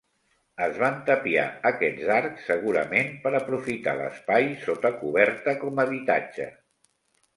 Es van tapiar aquests arcs, segurament, per aprofitar l'espai sota coberta com habitatge.